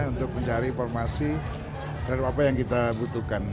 untuk mencari informasi terhadap apa yang kita butuhkan